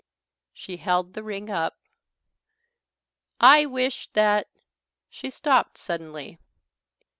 She held the ring up. "I wish that " She stopped suddenly.